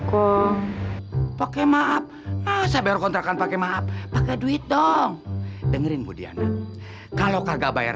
kong pakai maaf asal kontrakan pakai maaf pakai duit dong dengerin budiana kalau kagak bayar